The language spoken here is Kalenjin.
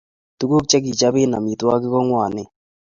tuguk che kichobe amitwokik ko ngwanen